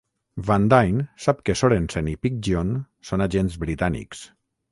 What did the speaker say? Van Dyne sap que Sorensen i Pidgeon són agents britànics.